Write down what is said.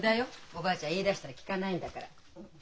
おばあちゃん言いだしたら聞かないんだから。